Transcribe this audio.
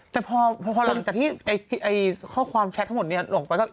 แต่พอหลังจากที่ข้อความแชททั้งหมดนี้ลงไปก็